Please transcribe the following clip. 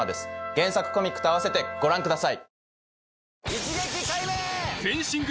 原作コミックと併せてご覧ください。